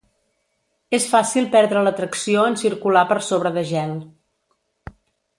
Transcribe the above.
És fàcil perdre la tracció en circular per sobre de gel.